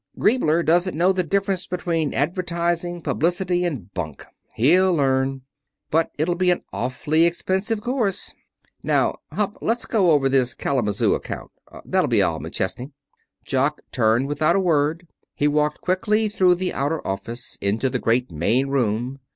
Griebler doesn't know the difference between advertising, publicity, and bunk. He'll learn. But it'll be an awfully expensive course. Now, Hupp, let's go over this Kalamazoo account. That'll be all, McChesney." Jock turned without a word. He walked quickly through the outer office, into the great main room.